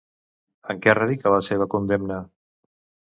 En què radica la seva condemna?